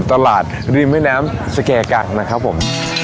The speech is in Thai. ริมแม่น้ำสแก่กังนะครับผม